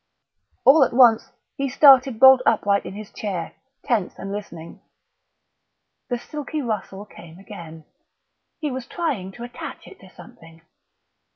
All at once he started bolt upright in his chair, tense and listening. The silky rustle came again; he was trying to attach it to something....